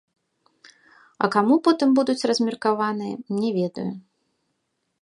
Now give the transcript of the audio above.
А каму потым будуць размеркаваныя, не ведаю.